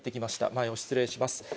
前を失礼します。